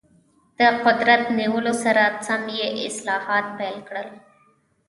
د قدرت نیولو سره سم یې اصلاحات پیل کړل.